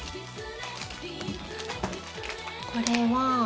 これは。